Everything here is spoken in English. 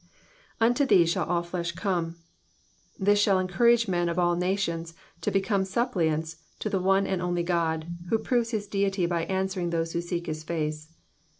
^^Uhto thee shall all flesh come,^^ This shall encourage men of all nations to become suppliants to the one and only God, who proves his Deity by answering those who seek his face.